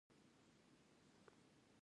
د غزني انګور د کیفیت له مخې ښه دي.